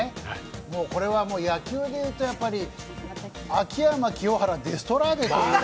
もうこれは野球で言うと、秋山、清原、デストラーデという。